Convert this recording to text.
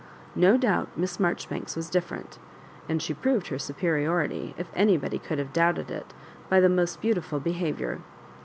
No doubt Miss Marjoribanks was different ; and she proved her superiority, if anybody could have doubted it, by the most beautiful behaviour.